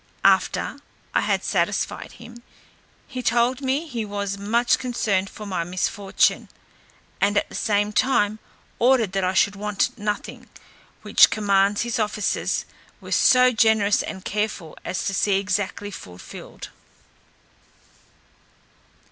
After I had satisfied him, he told me he was much concerned for my misfortune, and at the same time ordered that I should want nothing; which commands his officers were so generous and careful as to see exactly fulfilled.